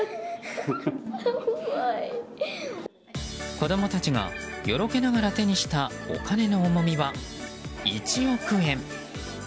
子供たちがよろけながら手にした、お金の重みは１億円。